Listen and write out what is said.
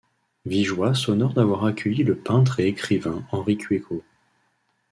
Vigeois s'honore d'avoir accueilli le peintre et écrivain Henri Cueco.